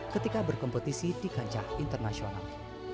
ketika berkompetisi di kancah internasional